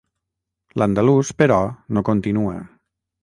L'andalús, però, no continua.